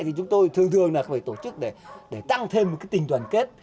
thì chúng tôi thường thường là phải tổ chức để tăng thêm tình toàn kết